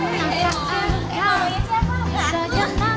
saya mau pergi